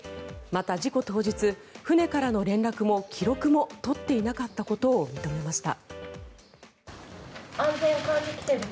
また、事故当日船からの連絡も記録も取っていなかったことを認めました。